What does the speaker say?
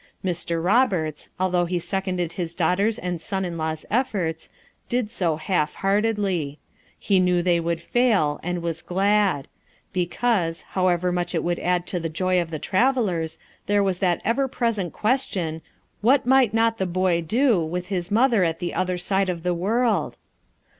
Mr. Roberts, al though he seconded his daughter's and son in law's efforts, did so half heartedly; he knew they would fail, and was glad ; because, however much it would add to the joy of the travelers 24 FOUR MOTHERS AT CL1AUTAUQUA there was that ever present question, what might not the boy do, with his mother at the other side of the world?